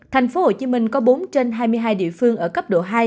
tp hcm có bốn trên hai mươi hai địa phương ở cấp độ hai